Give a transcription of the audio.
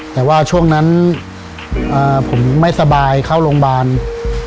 แต่ว่าช่วงนั้นผมไม่สบายเข้าโรงพยาบาล